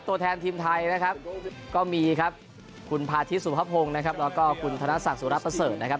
ตัวแทนทีมไทยนะครับก็มีคุณพาทิสสุภพงษ์แล้วก็คุณธนสักสุรประเสริมนะครับ